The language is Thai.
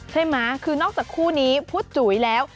ใช่ไหมคือนอกจากคู่นี้พุทธจุ๋ยแล้ว